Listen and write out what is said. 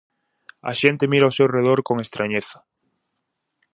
A xente mira ao seu redor con estrañeza.